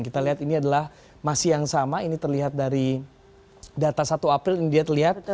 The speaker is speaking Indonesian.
kita lihat ini adalah masih yang sama ini terlihat dari data satu april ini dia terlihat